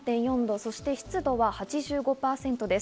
そして湿度は８５％です。